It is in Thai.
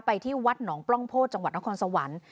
ที่วัดหนองปล้องโพธิจังหวัดนครสวรรค์